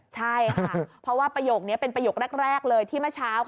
ใช่ค่ะเพราะว่าประโยคนี้เป็นประโยคแรกเลยที่เมื่อเช้า